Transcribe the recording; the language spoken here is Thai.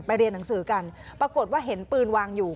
เรียนหนังสือกันปรากฏว่าเห็นปืนวางอยู่